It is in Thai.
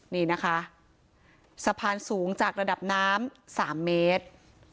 นี่นะคะสะพานสูงจากระดับน้ำ๓เมตร